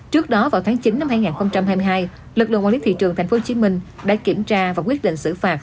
trước đó vào tháng chín năm hai nghìn hai mươi hai lực lượng quản lý thị trường tp hcm đã kiểm tra và quyết định xử phạt